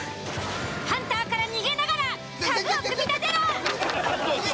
ハンターから逃げながら家具を組み立てろ！